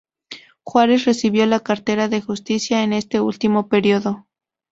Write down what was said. Juárez recibió la cartera de Justicia en este último período.